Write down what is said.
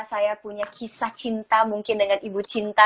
saya punya kisah cinta mungkin dengan ibu cinta